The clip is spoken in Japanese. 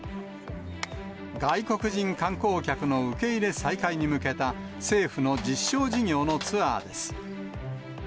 外国人観光客の受け入れ再開に向けた、政府の実証事業のツアーです。